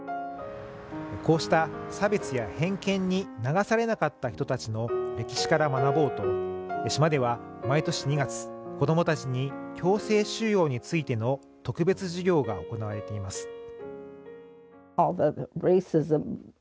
こうした差別や偏見に流されなかった人たちの歴史から学ぼうと島では毎年２月子どもたちに強制収容についての特別授業が行われています